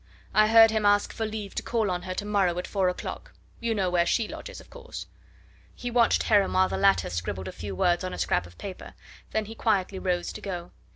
I heard him ask for leave to call on her to morrow at four o'clock. You know where she lodges, of course!" He watched Heron while the latter scribbled a few words on a scrap of paper, then he quietly rose to go.